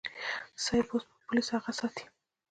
صيب اوس به پوليس اغه ساتي.